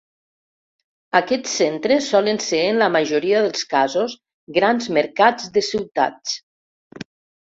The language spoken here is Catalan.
Aquests centres solen ser en la majoria dels casos grans mercats de ciutats.